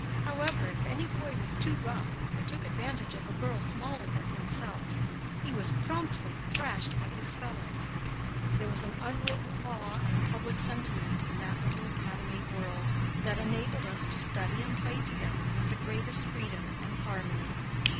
However, if any boy was too rough or took advantage of a girl smaller than himself, he was promptly thrashed by his fellows. There was an unwritten law and public sentiment in that little Academy world that enabled us to study and play together with the greatest freedom and harmony.